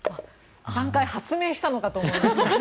３回発明したのかと思いました。